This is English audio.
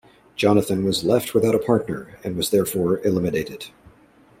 Jonathan was left without a partner and was therefore eliminated.